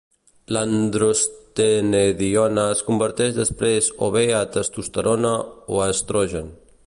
L'androstenediona es converteix després o bé a testosterona o a estrogen.